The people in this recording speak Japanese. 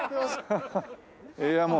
いやもう。